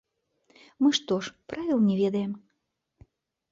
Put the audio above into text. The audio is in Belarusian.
Мы што ж, правіл не ведаем?!